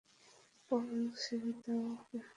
পল, ছেড়ে দাও ওকে!